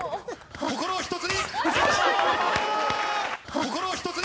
心を一つに。